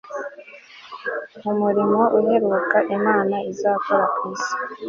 Mu murimo uheruka Imana izakora ku isi